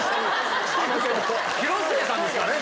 広末さんですからね！